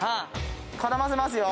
絡ませますよ。